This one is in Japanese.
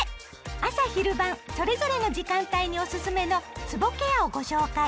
朝・昼・晩それぞれの時間帯におすすめのつぼケアをご紹介。